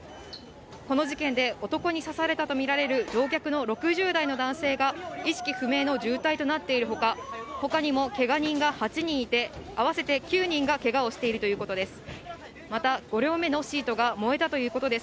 この事件で、男に刺されたと見られる乗客の６０代の男性が、意識不明の重体となっているほか、ほかにもけが人が８人いて、合わせて９人がけがをしているということです。